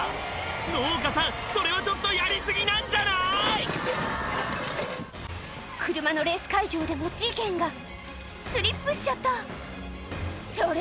農家さんそれはちょっとやり過ぎなんじゃない⁉車のレース会場でも事件がスリップしちゃったってあれ？